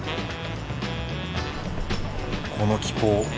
この気候